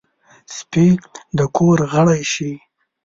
سپي د کور غړی شي.